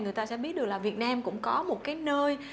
người ta sẽ biết được là việt nam cũng có một cái nơi